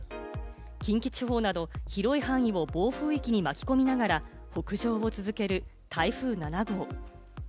近畿地方など広い範囲を暴風域に巻き込みながら、北上を続ける台風７号。